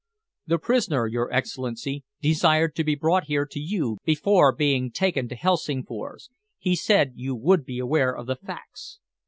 "The prisoner, your Excellency, desired to be brought here to you before being taken to Helsingfors. He said you would be aware of the facts."